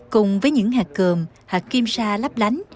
cùng với những hạt cường hạt kim sa lắp lánh